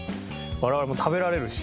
我々も食べられるし。